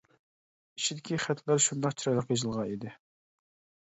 ئىچىدىكى خەتلەر شۇنداق چىرايلىق يېزىلغان ئىدى.